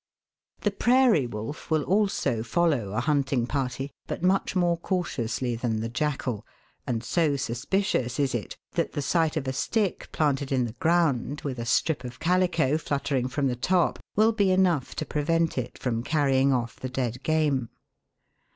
The Prairie wolf will also follow a hunting party, but much more cautiously than the jackal, and so suspicious is Fig. 51. JACKALS. THE SCAVENGER OF THE DESERT. 249 it that the sight of a stick planted in the ground, with a strip of calico fluttering from the top will be enough to prevent it from carrying off the dead game.